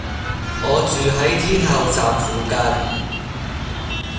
我住喺天后站附近